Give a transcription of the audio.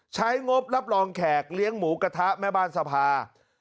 งบรับรองแขกเลี้ยงหมูกระทะแม่บ้านสภา